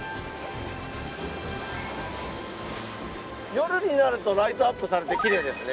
夜になるとライトアップされてきれいですね。